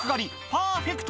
パーフェクト！